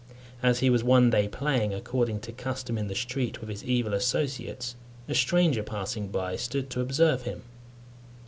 As he was one day playing, according to custom, in the street, with his evil associates, a stranger passing by stood to observe him.